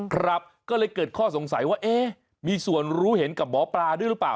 ครับก็เลยเกิดข้อสงสัยว่าเอ๊ะมีส่วนรู้เห็นกับหมอปลาด้วยหรือเปล่า